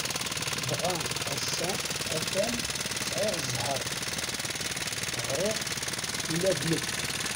Dɣa ass-a a-t-an, sɛiɣ zzheṛ, ɣriɣ-t ula d nekk.